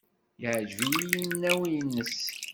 Yeɛjeb-iyi yinaw-nnes.